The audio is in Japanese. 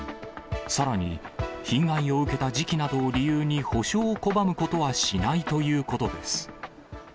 さらに、被害を受けた時期などを理由に補償を拒むことはしないということです。